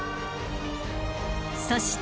［そして］